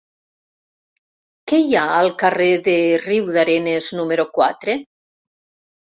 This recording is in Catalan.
Què hi ha al carrer de Riudarenes número quatre?